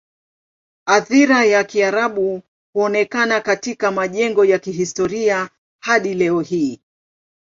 Athira ya Kiarabu huonekana katika majengo ya kihistoria hadi leo hii.